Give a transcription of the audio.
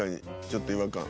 ちょっと違和感。